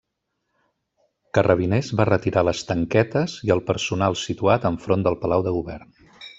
Carrabiners va retirar les tanquetes i el personal situat enfront del palau de govern.